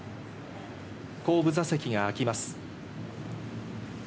後部座席が開きます。